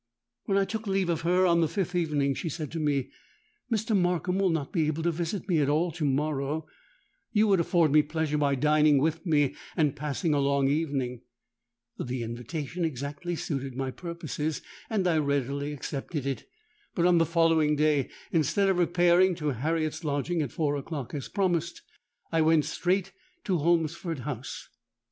"When I took leave of her on the fifth evening she said to me, 'Mr. Markham will not be able to visit me at all to morrow: you would afford me pleasure by dining with me and passing a long evening.'—The invitation exactly suited my purposes; and I readily accepted it. But on the following day, instead of repairing to Harriet's lodging at four o'clock, as promised, I went straight to Holmesford House.